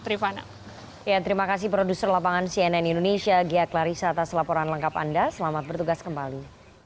terima kasih produser lapangan cnn indonesia gia klarisata selaporan lengkap anda selamat bertugas kembali